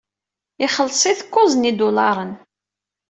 Ixelleṣ-it kuẓ n yidulaṛen.